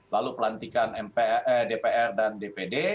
lalu pelantikan mp eh dpr dan dpd